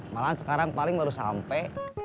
malah sekarang paling baru sampe